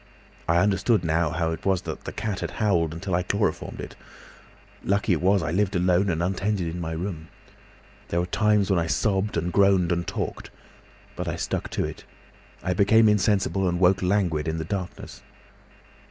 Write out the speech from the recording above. I understood now how it was the cat had howled until I chloroformed it. Lucky it was I lived alone and untended in my room. There were times when I sobbed and groaned and talked. But I stuck to it.... I became insensible and woke languid in the darkness.